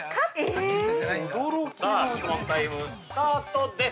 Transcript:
◆さあ質問タイム、スタートです。